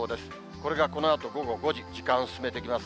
これがこのあと午後５時、時間を進めていきます。